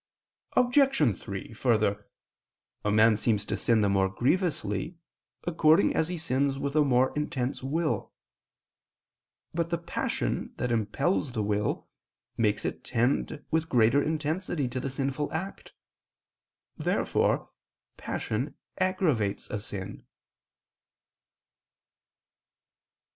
Obj. 3: Further, a man seems to sin the more grievously, according as he sins with a more intense will. But the passion that impels the will makes it tend with greater intensity to the sinful act. Therefore passion aggravates a sin.